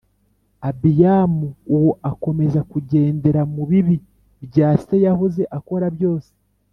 Abiyamu uwo akomeza kugendera mu bibi bya se yahoze akora byose